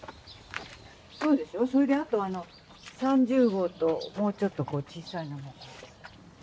そうでしょそれであと３０号ともうちょっと小さいのも。